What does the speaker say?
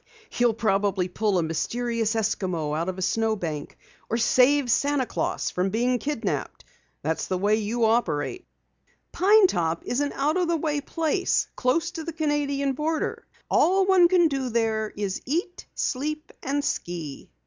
You'll probably pull a mysterious Eskimo out of a snow bank or save Santa Claus from being kidnaped! That's the way you operate." "Pine Top is an out of the way place, close to the Canadian border. All one can do there is eat, sleep, and ski."